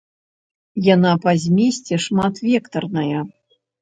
Яна па змесце шматвектарная!